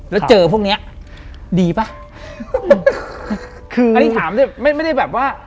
แล้วเจอพวกเนี้ยดีป่ะคืออันนี้ถามด้วยไม่ไม่ได้แบบว่า